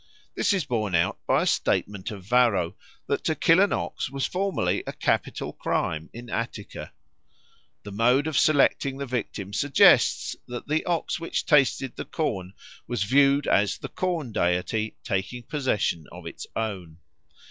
This is borne out by a statement of Varro that to kill an OX was formerly a capital crime in Attica. The mode of selecting the victim suggests that the OX which tasted the corn was viewed as the corn deity taking possession of his own.